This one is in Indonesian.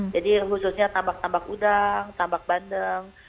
jadi khususnya tambak tambak udang tambak bandeng